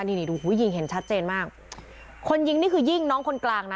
นี่นี่ดูหู้ยิงเห็นชัดเจนมากคนยิงนี่คือยิงน้องคนกลางนะ